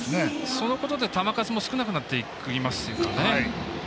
そのことで球数も少なくなっていきますよね。